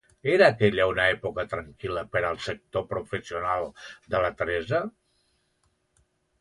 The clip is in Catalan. Era aquella una època tranquil·la per al sector professional de la Teresa?